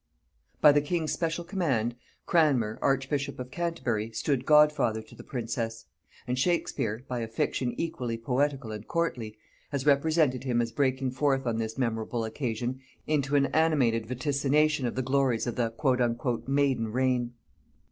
By the king's special command, Cranmer archbishop of Canterbury stood godfather to the princess; and Shakespeare, by a fiction equally poetical and courtly, has represented him as breaking forth on this memorable occasion into an animated vaticination of the glories of the "maiden reign."